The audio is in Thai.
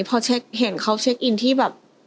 พอเช็คเห็นเขาเช็คอินที่แบบ